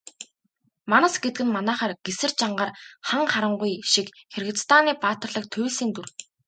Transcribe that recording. Манас гэдэг нь манайхаар Гэсэр, Жангар, Хан Харангуй шиг Киргизстаны баатарлаг туульсын дүр.